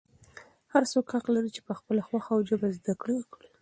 هر څوک حق لري چې په خپله خوښه او ژبه زده کړه وکړي.